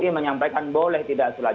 mui menyampaikan boleh tidak sholat juga